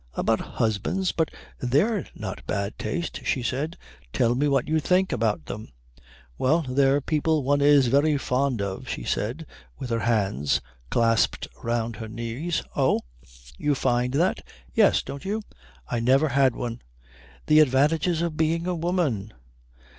"About husbands? But they're not bad taste," she said. "Tell me what you think about them." "Well, they're people one is very fond of," she said, with her hands clasped round her knees. "Oh. You find that?" "Yes. Don't you?" "I never had one." "The advantages of being a woman!